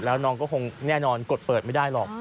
แล้วน้องก็คงแน่นอนกดเปิดไม่ได้หรอก